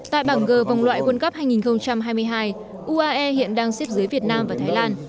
tại bảng g vòng loại world cup hai nghìn hai mươi hai uae hiện đang xếp dưới việt nam và thái lan